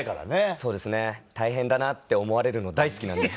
そうですね「大変だな」って思われるの大好きなんで。